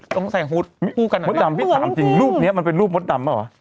ต้องใส่ฮูตคู่กันอ่ะมดดำพี่ถามจริงรูปเนี้ยมันเป็นรูปมดดำเปล่าวะ